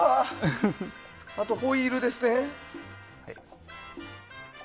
あとホイールですね。